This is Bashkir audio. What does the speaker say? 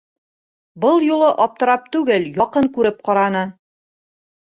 Был юлы аптырап түгел, яҡын күреп ҡараны.